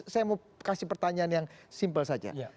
saya mau kasih pertanyaan yang simpel saja